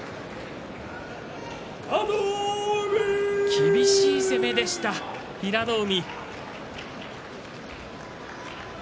厳しい攻めでした平戸海。